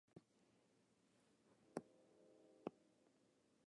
Don't give up the ship!